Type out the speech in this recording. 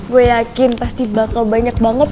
gue yakin pasti bakal banyak banget